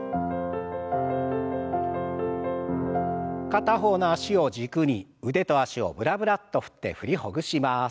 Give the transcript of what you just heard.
片方の脚を軸に腕と脚をブラブラッと振って振りほぐします。